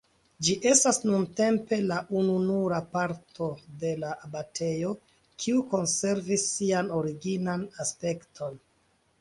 Ĝi estas nuntempe la ununura parto de la abatejo kiu konservis sian originan aspekton.